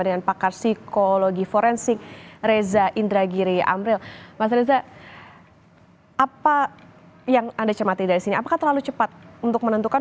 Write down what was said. dengan pakar psikologi forensik reza indragiri amril mas reza apakah terlalu cepat untuk menentukan